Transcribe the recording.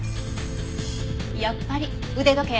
やっぱり腕時計。